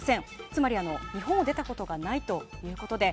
つまり、日本を出たことがないということで